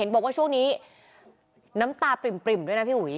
บอกว่าช่วงนี้น้ำตาปริ่มด้วยนะพี่อุ๋ย